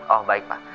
oh baik pak